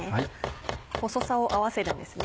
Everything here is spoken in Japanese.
細さを合わせるんですね。